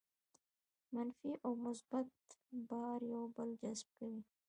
منفي او مثبت بار یو بل جذب کوي.